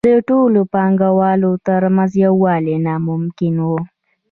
د ټولو پانګوالو ترمنځ یووالی ناممکن وو